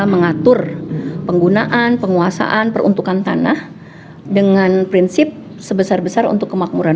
mengatur penggunaan penguasaan peruntukan tanah dengan prinsip sebesar besar untuk kemakmuran